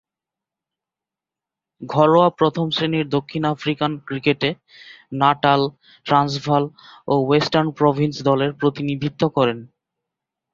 ঘরোয়া প্রথম-শ্রেণীর দক্ষিণ আফ্রিকান ক্রিকেটে নাটাল, ট্রান্সভাল ও ওয়েস্টার্ন প্রভিন্স দলের প্রতিনিধিত্ব করেন।